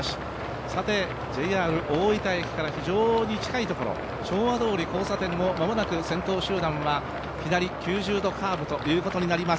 さて、ＪＲ大分駅から非常に近いところ、昭和通り交差点を間もなく先頭集団は左９０度カーブということになります。